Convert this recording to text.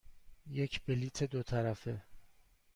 یک بلیط دو طرفه.